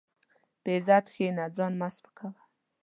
په عزت کښېنه، ځان مه سپکاوه.